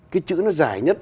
cái chữ nó dài nhất